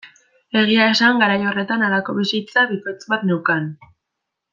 Egia esan garai horretan halako bizitza bikoitz bat neukan.